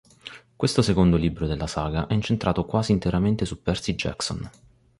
Questo secondo libro della saga è incentrato quasi interamente su Percy Jackson.